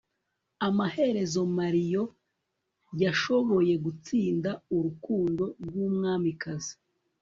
amaherezo, mario yashoboye gutsinda urukundo rwumwamikazi